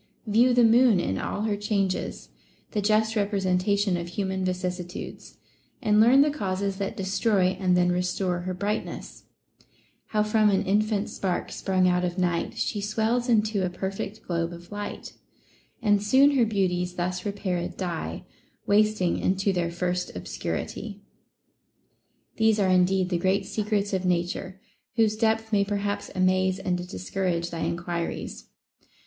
View the moon in all her changes, the just representation of human vicissitudes, and learn the causes that destroy and then restore her brightness :— How from an infant spark sprung out of night, She swells into a perfect glohe of light; And soon her beauties thus repaired die, Wasting into their first obscurity.* These are indeed the great secrets of Nature, whose depth may perhaps amaze and discourage thy enquiries.